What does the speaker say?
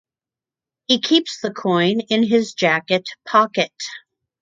He keeps the coin in his jacket pocket.